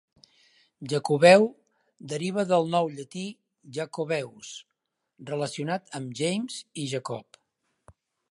"Jacobeu" deriva del nou llatí "Jacobaeus", relacionat amb James i Jacob.